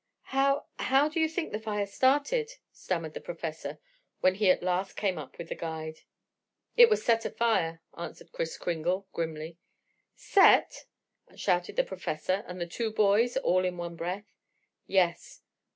"How how do you think the fire started?" stammered the Professor, when he at last came up with the guide. "It was set afire," answered Kris Kringle grimly. "Set!" shouted the Professor and the two boys all in one breath. "Yes."